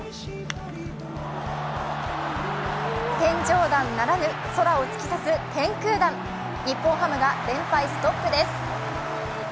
天井弾ならぬ、空を突き刺す天空弾日本ハムが連敗ストップです。